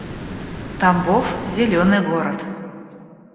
Тамбов — зелёный город